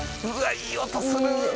いい音する！